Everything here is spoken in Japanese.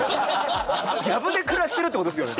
やぶで暮らしてるってことですよね